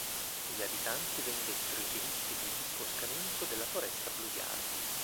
Gli abitanti vendettero i diritti di disboscamento della foresta pluviale.